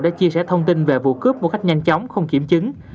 đã chia sẻ thông tin về vụ cướp một cách nhanh chóng không kiểm chứng